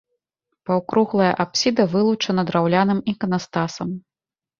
Паўкруглая апсіда вылучана драўляным іканастасам.